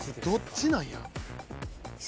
どっちなんや？